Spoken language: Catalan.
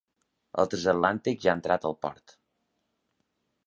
El transatlàntic ja ha entrat al port.